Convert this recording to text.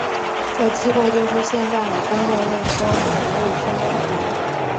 这机构就是现在的公共卫生服务军官团。